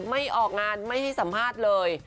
ไม่ออกงานไม่ให้สัมภาษณ์เลย